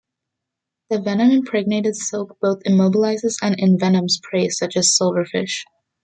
The venom-impregnated silk both immobilizes and envenoms prey such as silverfish.